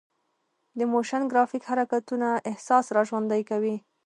د موشن ګرافیک حرکتونه احساس راژوندي کوي.